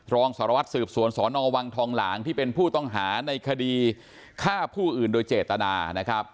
รองสารวัตรสืบสวนสนวังทองหลางที่เป็นผู้ต้องหาในคดีฆ่าผู้อื่นโดยเจตนานะครับ